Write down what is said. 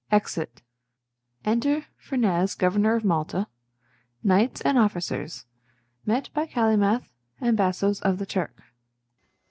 [Exit.] Enter FERNEZE governor of Malta, KNIGHTS, and OFFICERS; met by CALYMATH, and BASSOES of the TURK.